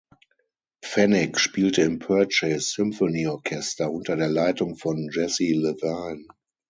Pfennig spielte im Purchase Symphony Orchester unter der Leitung von Jesse Levine.